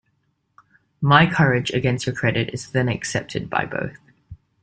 "My courage against your credit" is then accepted by both.